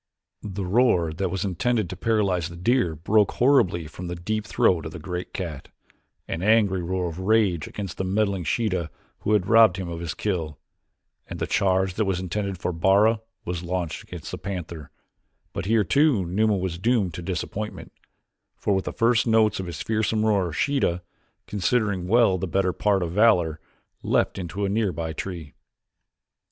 The roar that was intended to paralyze the deer broke horribly from the deep throat of the great cat an angry roar of rage against the meddling Sheeta who had robbed him of his kill, and the charge that was intended for Bara was launched against the panther; but here too Numa was doomed to disappointment, for with the first notes of his fearsome roar Sheeta, considering well the better part of valor, leaped into a near by tree.